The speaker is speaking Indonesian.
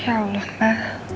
ya allah mbak